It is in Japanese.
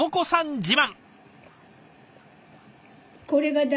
自慢。